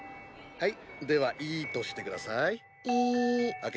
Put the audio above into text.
はい。